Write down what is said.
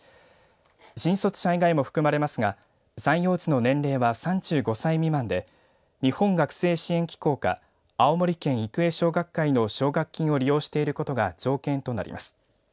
新卒者以外も含まれますが採用時の年齢は３５歳未満で日本学生支援機構か青森県育英奨学会の奨学金を利用していることが条件となります。